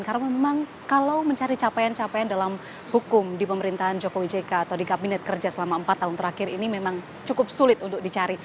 karena memang kalau mencari capaian capaian dalam hukum di pemerintahan joko wijeka atau di kabinet kerja selama empat tahun terakhir ini memang cukup sulit untuk dicari